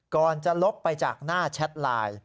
ก่อนจะลบไปจากหน้าแชทไลน์